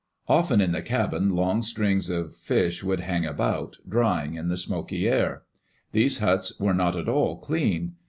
Often in the cabin long strings of fish would hang about, drying in the smoky air. These huts were not at all clean.